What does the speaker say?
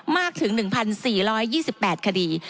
มากถึง๑๔๒๘คดี